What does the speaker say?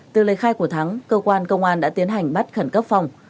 từ lời khai của thắng cơ quan công an đã tiến hành bắt khẩn cấp phòng